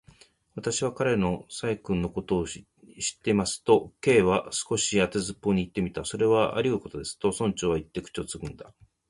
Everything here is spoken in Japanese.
「私は彼の細君のことも知っています」と、Ｋ は少し当てずっぽうにいってみた。「それはありうることです」と、村長はいって、口をつぐんだ。